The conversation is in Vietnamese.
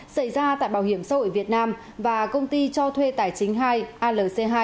xảy ra tại bảo hiểm sâu ở việt nam và công ty cho thuê tài chính hai alc hai